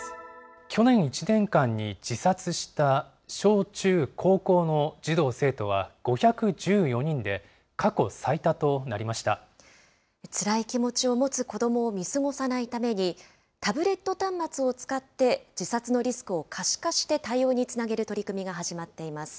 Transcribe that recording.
去年１年間に自殺した小中高校の児童・生徒は５１４人で、過去最つらい気持ちを持つ子どもを見過ごさないために、タブレット端末を使って自殺のリスクを可視化して対応につなげる取り組みが始まっています。